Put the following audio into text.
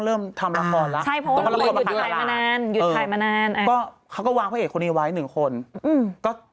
หยุดทานมานานก็เขาก็วางพระเอกคนี้ไวฟนึงคนอืมก็